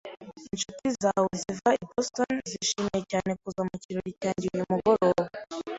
Inshuti zawe ziva i Boston zishimiye cyane kuza mu kirori cyanjye uyu mugoroba.